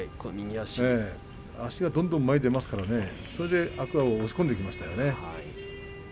足がどんどん前に出ますからそこで天空海を押し込んでいきましたね。